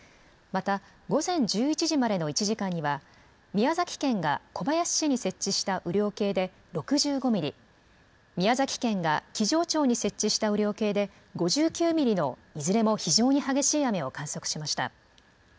また、午前１１時までの１時間には、宮崎県が小林市に設置した雨量計で６５ミリ、宮崎県が木城町に設置した雨量計で５９ミリのいずれも非常に激しい雨を観測しました。